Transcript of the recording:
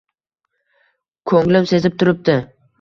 Ko‘nglim sezib turibdi...